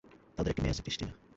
তাদের একটি মেয়ে আছে, ক্রিস্টিনা।